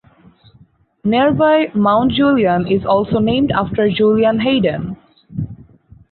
Nearby Mount Julian is also named after Julian Hayden.